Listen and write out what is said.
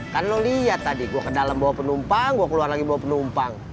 kan lo lihat tadi gue ke dalam bawa penumpang gue keluar lagi bawa penumpang